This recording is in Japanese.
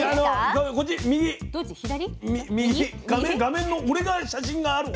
画面画面の俺が写真がある方。